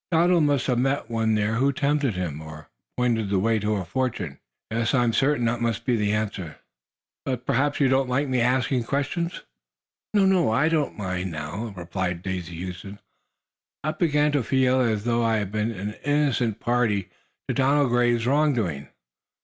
Donald must have met one there who tempted him, or pointed the way to a fortune. Yes; I am certain that must be the answer." "Did but perhaps you don't like my asking such questions?" "No; I do not mind now," replied Daisy Huston. "I began to feel as though I had been an innocent party to Donald Graves's wrongdoing.